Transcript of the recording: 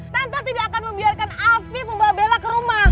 tante tidak akan membiarkan afif membawa bella ke rumah